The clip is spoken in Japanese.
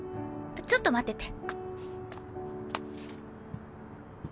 ちょっと待ってて。